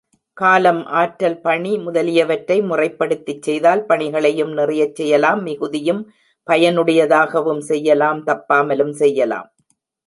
காலம், ஆற்றல், பணி முதலியவற்றை முறைப்படுத்திச் செய்தால், பணிகளையும் நிறைய செய்யலாம் மிகுதியும் பயனுடையதாகவும் செய்யலாம் தப்பாமலும் செய்யலாம்.